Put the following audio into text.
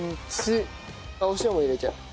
お塩も入れちゃう。